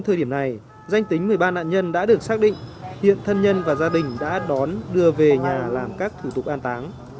thời điểm này danh tính một mươi ba nạn nhân đã được xác định hiện thân nhân và gia đình đã đón đưa về nhà làm các thủ tục an táng